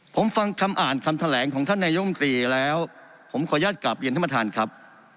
ผมฟังคำอ่านคำแถลงของท่านนายยกรัฐมนตรีแล้วผมขอญาติกลับเย็นท่านมาทานครับ